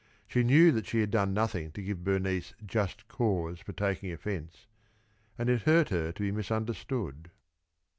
She knew that she had done nothing to give Bernice just cause for taking offence, and it hurt her to be misunderstood.